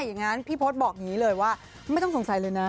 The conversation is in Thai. อย่างนั้นพี่พศบอกอย่างนี้เลยว่าไม่ต้องสงสัยเลยนะ